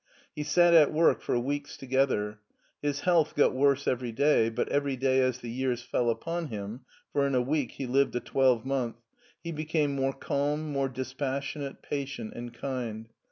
He sat at work for weeks together. His health got worse every day, but every day as the years fell upon him — for in a week he lived a twelvemonth — he became more calm, more dispassionate, patient, and kind.